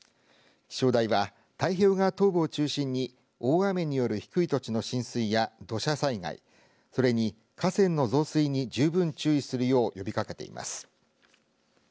気象台は、太平洋側東部を中心に大雨による低い土地の浸水や土砂災害それに河川の増水に十分注意するよう呼びかけています。